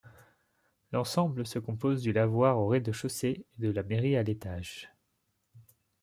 L'ensemble se compose du lavoir au rez-de-chaussée et de la mairie à l'étage.